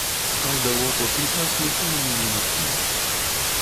Праўда, у апошні час ніхто мяне не натхніў.